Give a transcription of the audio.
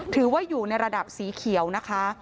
ถือว่าอยู่ในระดับสีเขียวนะคะ